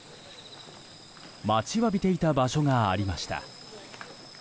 待ちわびていた場所がありました。